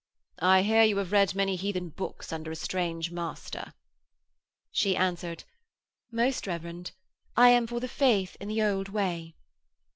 'I hear you have read many heathen books under a strange master.' She answered: 'Most Reverend, I am for the Old Faith in the old way.'